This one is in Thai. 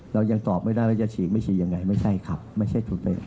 เรายังตอบไม่ได้ว่าจะฉีกไม่ฉีกยังไงไม่ใช่ครับไม่ใช่ถูกเลย